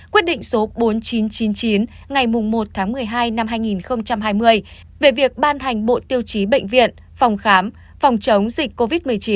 quyết định số bốn nghìn chín trăm chín mươi chín ngày một tháng một mươi hai năm hai nghìn hai mươi về việc ban hành bộ tiêu chí bệnh viện phòng khám phòng chống dịch covid một mươi chín